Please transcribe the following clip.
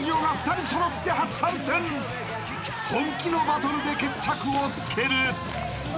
［本気のバトルで決着をつける］